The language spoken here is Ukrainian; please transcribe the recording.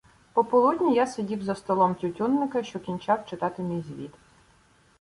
Пополудні я сидів за столом Тютюнника, що кінчав читати мій звіт.